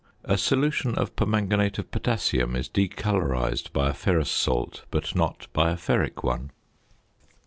A solution of permanganate of potassium is decolorised by a ferrous salt, but not by a ferric one.